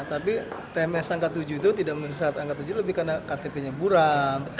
tapi tms angka tujuh itu tidak memenuhi syarat angka tujuh lebih karena ktp nya buram